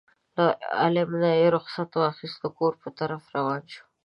له عالم نه یې رخصت واخیست کور په طرف روان شو.